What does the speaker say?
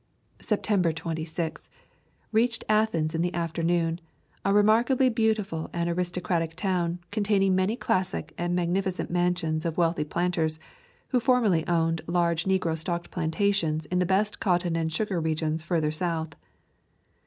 | September 26. Reached Athens in the after noon, a remarkably beautiful and aristocratic town, containing many classic and magnificent mansions of wealthy planters, who formerly owned large negro stocked plantations in the best cotton and sugar regions farther south.